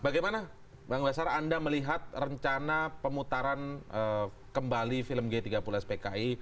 bagaimana bang basar anda melihat rencana pemutaran kembali film g tiga puluh spki